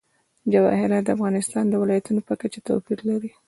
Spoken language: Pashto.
جواهرات د افغانستان د ولایاتو په کچه توپیر لري.